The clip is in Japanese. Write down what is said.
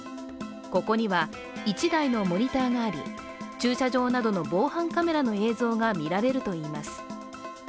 ここには１台のモニターがあり駐車場などの防犯カメラの映像が見られるといいます。